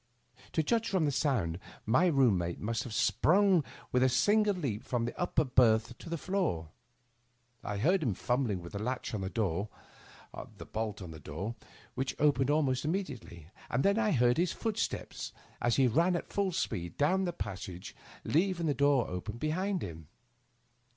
To judge from the sound my room mate must have sprung with a single leap from the upper berth to the floor. I heard him fumbling with the latch and bolt of the door, which opened almost im mediately, and then I heard his footsteps as he ran at full speed down the passage, leaving the door open be hind him.